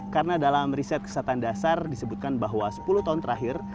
karena dalam riset kesatuan dasar disebutkan bahwa sepuluh tahun terakhir